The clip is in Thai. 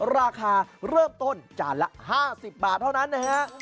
ราคาเริ่มต้นจานละ๕๐บาทเท่านั้นนะฮะ